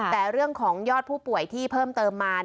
แต่เรื่องของยอดผู้ป่วยที่เพิ่มเติมมา